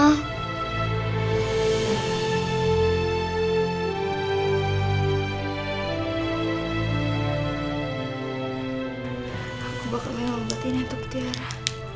aku bakal minum obat ini untuk tiara